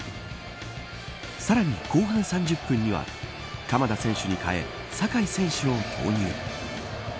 さらに後半３０分には鎌田選手に変え酒井選手を投入。